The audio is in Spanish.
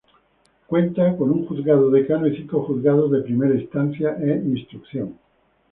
Cuenta con un Juzgado Decano y cinco juzgados de Primera Instancia e Instrucción.